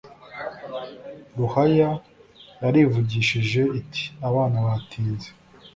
ruhaya yarivugishije, iti «abana batinze